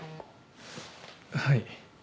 はい。